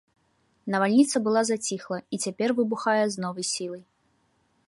Навальніца была заціхла і цяпер выбухае з новай сілай.